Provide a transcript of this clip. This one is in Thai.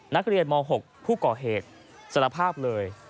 นักเรียนม๖ผู้ก่อเหตุสารภาพเลย